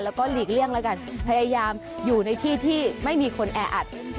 แล้วก็หลีกเลี่ยงแล้วกันพยายามอยู่ในที่ที่ไม่มีคนแออัด